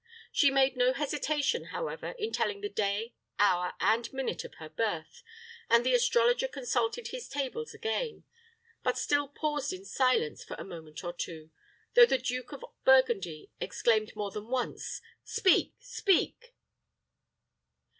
She made no hesitation, however, in telling the day, hour, and minute of her birth, and the astrologer consulted his tables again; but still paused in silence for a moment or two, though the Duke of Burgundy exclaimed more than once, "Speak speak!"